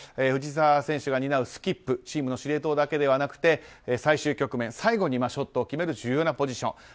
藤澤選手が担うスキップチームの司令塔だけではなくて最終局面、最後にショットを決める重要なポジション。